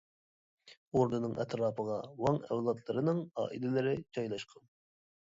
ئوردىنىڭ ئەتراپىغا ۋاڭ ئەۋلادلىرىنىڭ ئائىلىلىرى جايلاشقان.